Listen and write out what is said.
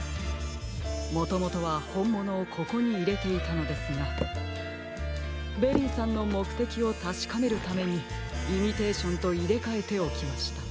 もともとはほんものをここにいれていたのですがベリーさんのもくてきをたしかめるためにイミテーションといれかえておきました。